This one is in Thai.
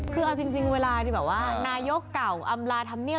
คือเอาจริงเวลาที่แบบว่านายกเก่าอำลาธรรมเนียบ